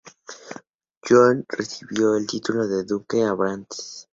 Junot recibió el título de Duque de Abrantes.